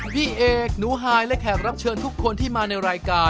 พี่เอกหนูฮายและแขกรับเชิญทุกคนที่มาในรายการ